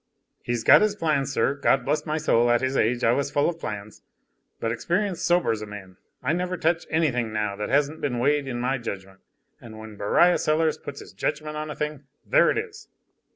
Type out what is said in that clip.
"He's got his plans, sir. God bless my soul, at his age, I was full of plans. But experience sobers a man, I never touch any thing now that hasn't been weighed in my judgment; and when Beriah Sellers puts his judgment on a thing, there it is."